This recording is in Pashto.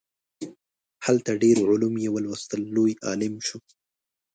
هلته ډیر علوم یې ولوستل لوی عالم شو.